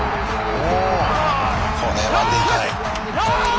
これはでかい。